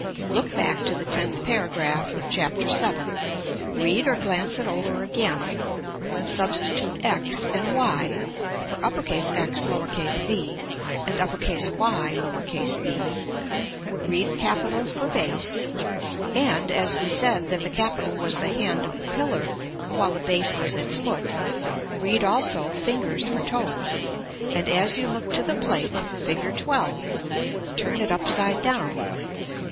Look back to the tenth paragraph of Chap. VII., read or glance it over again, substitute X and Y for Xb and Yb, read capital for base, and, as we said that the capital was the hand of the pillar, while the base was its foot, read also fingers for toes; and as you look to the plate, Fig. XII., turn it upside down.